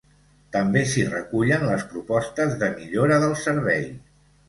També s’hi recullen les propostes de millora del servei.